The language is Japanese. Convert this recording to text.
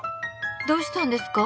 どうしたんですか？